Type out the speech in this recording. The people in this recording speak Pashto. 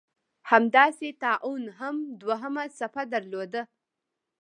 همداسې طاعون هم دوهمه څپه درلوده.